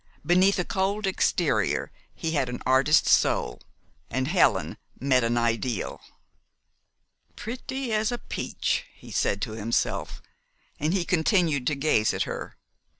Beneath a cold exterior he had an artist's soul, and "Helen" met an ideal. "Pretty as a peach!" he said to himself, and he continued to gaze at her.